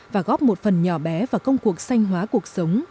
và góp một phần nhỏ bé vào công cuộc sanh hóa cuộc sống